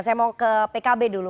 saya mau ke pkb dulu